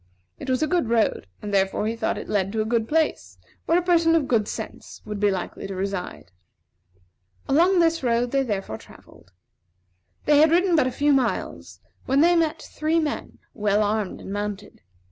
It was a good road; and therefore he thought it led to a good place, where a person of good sense would be likely to reside. Along this road they therefore travelled. They had ridden but a few miles when they met three men, well armed and mounted.